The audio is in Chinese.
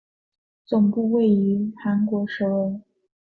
总部位于韩国首尔。